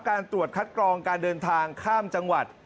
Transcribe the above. การตรวจคัดกรองการเดินทางข้ามจังหวัด